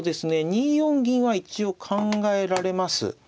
２四銀は一応考えられます。